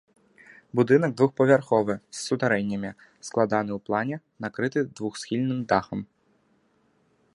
Будынак двухпавярховы з сутарэннямі, складаны ў плане, накрыты двухсхільным дахам.